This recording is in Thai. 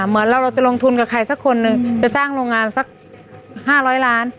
เหมือนเราจะลงทุนกับใครสักคนหนึ่งจะสร้างโรงงานสัก๕๐๐ล้าน